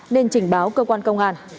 nên trình báo cơ quan công an